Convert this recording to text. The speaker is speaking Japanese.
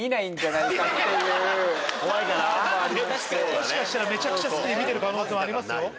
もしかしたらめちゃくちゃ好きで見てる可能性ありますよ。